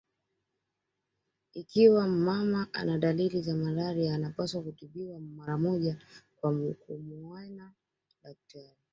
Ikiwa mama ana dalili za malaria anapaswa kutibiwa mara moja kwa kumuona daktari